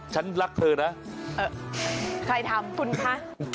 ฉันรักเธอนะใครถามคุณคะ